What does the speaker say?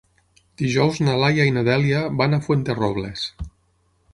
Dijous na Laia i na Dèlia van a Fuenterrobles.